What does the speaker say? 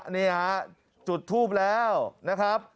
นี่ฮะจุดทูปแล้วนะครับ